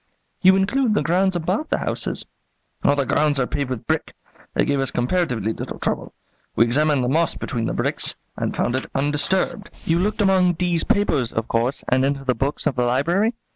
"You include the grounds about the houses?" "All the grounds are paved with brick. They gave us comparatively little trouble. We examined the moss between the bricks and found it undisturbed." "You looked among D 's papers, of course, and into the books of the library?"